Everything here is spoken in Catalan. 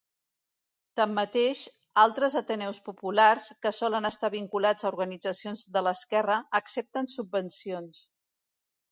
Tanmateix, altres ateneus populars, que solen estar vinculats a organitzacions de l'esquerra, accepten subvencions.